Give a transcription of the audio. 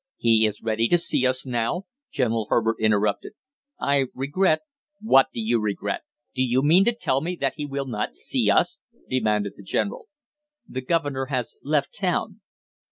"He is ready to see us now?" General Herbert interrupted. "I regret " "What do you regret? Do you mean to tell me that he will not see us?" demanded the general. "The governor has left town."